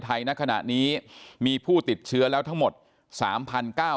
ไทยณขณะนี้มีผู้ติดเชื้อแล้วทั้งหมดสามพันเก้า